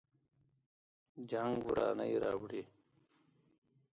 جنګ ورانی راوړي